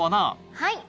はい。